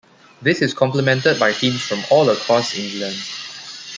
This is complemented by teams from all across England.